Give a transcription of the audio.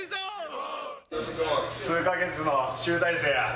数か月の集大成や。